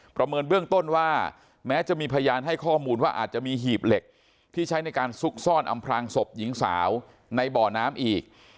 เมินเบื้องต้นว่าแม้จะมีพยานให้ข้อมูลว่าอาจจะมีหีบเหล็กที่ใช้ในการซุกซ่อนอำพลางศพหญิงสาวในบ่อน้ำอีก